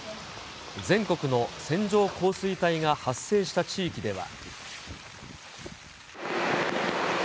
全国の線状降水帯が発生した地域では。